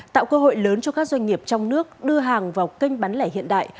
tạo cơ hội lớn cho các doanh nghiệp trong nước đưa hàng vào kênh bán lẻ hiện đại